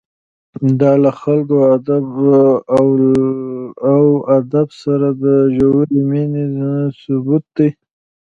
دا له خلکو او ادب سره د ژورې مینې ثبوت دی.